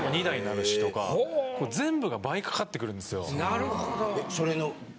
なるほど。